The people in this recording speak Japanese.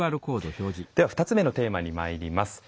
では２つ目のテーマにまいります。